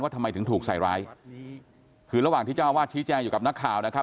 ทำไมถึงถูกใส่ร้ายคือระหว่างที่เจ้าอาวาสชี้แจงอยู่กับนักข่าวนะครับ